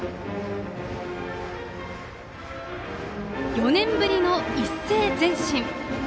４年ぶりの一斉前進。